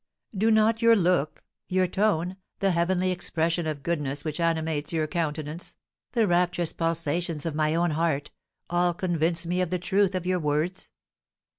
Do not your look, your tone, the heavenly expression of goodness which animates your countenance, the rapturous pulsations of my own heart, all convince me of the truth of your words?